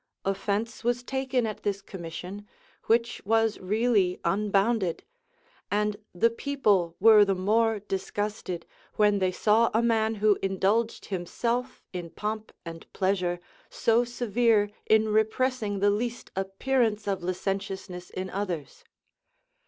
Offence was taken at this commission, which was really unbounded; and the people were the more disgusted, when they saw a man who indulged himself in pomp and pleasure, so severe in repressing the least appearance of licentiousness in others.